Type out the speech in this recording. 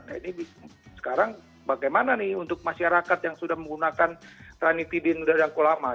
nah ini sekarang bagaimana nih untuk masyarakat yang sudah menggunakan ranitidin dan kulama